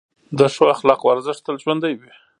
د ښو اخلاقو ارزښت تل ژوندی وي.